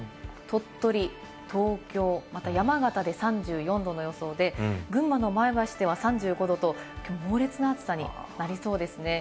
鳥取、東京、また山形で３４℃の予想で、群馬の前橋では３５度と、きょうも猛烈な暑さになりそうですね。